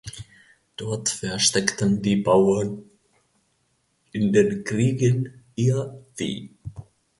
Dort versteckten die Bauern in den Kriegen ihr Vieh.